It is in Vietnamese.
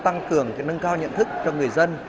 tăng cường nâng cao nhận thức cho người dân